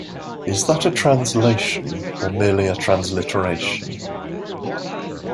Is that a translation, or merely a transliteration?